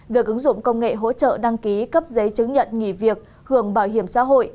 việc ứng dụng công nghệ hỗ trợ đăng ký cấp giấy chứng nhận nghỉ việc hưởng bảo hiểm xã hội